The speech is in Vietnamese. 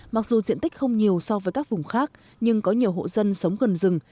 mặc dù diện tích không nhiều so với các vùng khác nhưng có nhiều hộ dân sống gần rừng